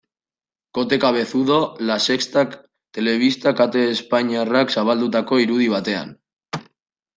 Kote Cabezudo, La Sexta telebista kate espainiarrak zabaldutako irudi batean.